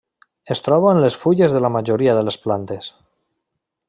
Es troba en les fulles de la majoria de les plantes.